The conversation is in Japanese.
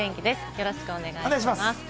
よろしくお願いします。